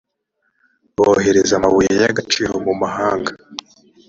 bohereza amabuye y agaciromu mahanga